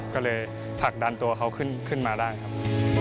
ก็เลยผลักดันตัวเขาขึ้นมาได้ครับ